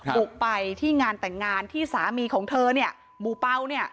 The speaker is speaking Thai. บุกไปที่งานแต่งงานที่สามีของเธอหมู่เป้า